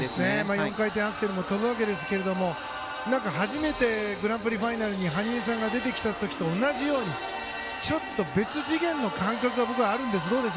４回転アクセルも跳ぶわけですけど初めてグランプリファイナルに羽生さんが出てきた時と同じようにちょっと別次元の感覚があるんです。